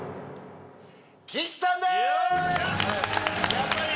やっぱり！